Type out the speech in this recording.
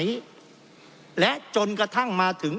เพราะเรามี๕ชั่วโมงครับท่านนึง